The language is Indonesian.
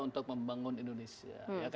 untuk membangun indonesia